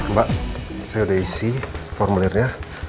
mbak saya udah isi formulirnya